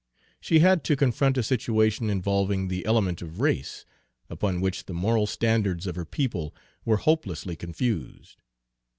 She had to confront a situation involving the element of race, upon which the moral standards of her people were hopelessly confused.